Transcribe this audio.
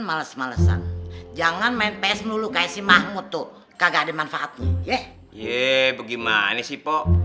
males malesan jangan main ps dulu kayak si mahmud tuh kagak ada manfaatnya ye ye bagaimana sih pok